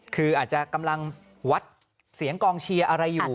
คืออาจจะกำลังวัดเสียงกองเชียร์อะไรอยู่